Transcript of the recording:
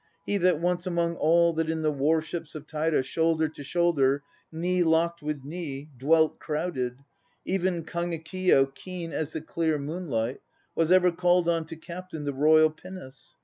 He that once Among all that in the warships of Taira Shoulder to shoulder, knee locked with knee, Dwelt crowded Even Kagekiyo keen As the clear moonlight Was ever called on to captain The Royal Pinnace.